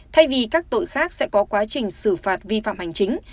thay vì các tội khác sẽ có quá trình xử phạt vi phạm hành chính